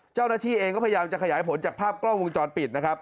เจ้าหน้าที่เองก็พยายามจะขยายผลจากภาพกล้องวงจรปิดนะครับ